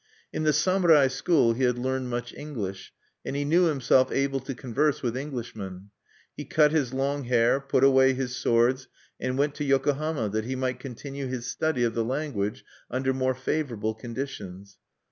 In the samurai school he had learned much English, and he knew himself able to converse with Englishmen. He cut his long hair, put away his swords, and went to Yokohama that he might continue his study of the language under more favorable conditions.